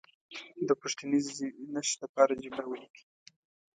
د پوښتنیزې نښې لپاره جمله ولیکي.